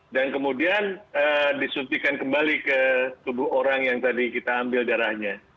dan kemudian disuntikan kembali ke tubuh orang yang tadi kita ambil darahnya